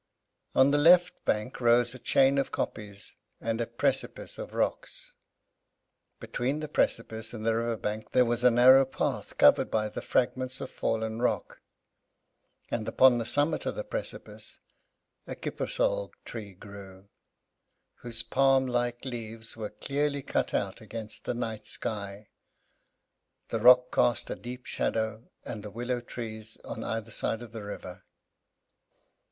On the left bank rose a chain of kopjes and a precipice of rocks. Between the precipice and the river bank there was a narrow path covered by the fragments of fallen rock. And upon the summit of the precipice a kippersol tree grew, whose palm like leaves were clearly cut out against the night sky. The rocks cast a deep shadow, and the willow trees, on either side of the river.